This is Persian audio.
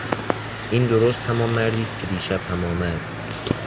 این درست همان مردی است که دیشب هم آمد.